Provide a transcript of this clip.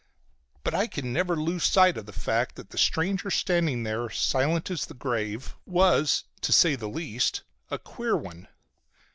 But I could never lose sight of the fact that the stranger standing there, silent as the grave, was, to say the least, a queer one.